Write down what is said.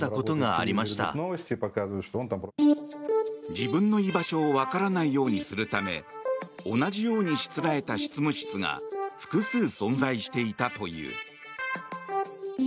自分の居場所をわからないようにするため同じようにしつらえた執務室が複数存在していたという。